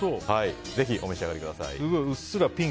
お召し上がりください。